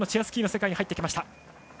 スキーの世界に入ってきました。